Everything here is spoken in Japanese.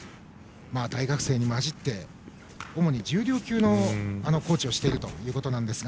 大学生に交じって主に重量級のコーチをしているということですが。